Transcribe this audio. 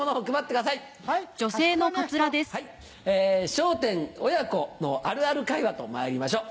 『笑点』親子のあるある会話とまいりましょう。